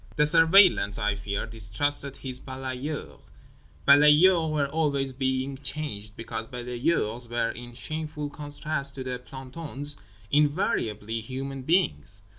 The Surveillant, I fear, distrusted his balayeur. Balayeurs were always being changed because balayeurs were (in shameful contrast to the plantons) invariably human beings.